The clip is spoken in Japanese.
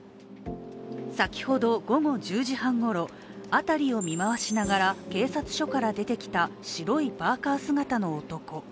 先ほど午後１０時半ごろ、辺りを見渡しながら警察署から出てきた白いパーカー姿の男。